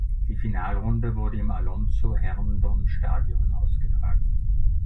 Die Finalrunde wurde im Alonzo Herndon Stadium ausgetragen.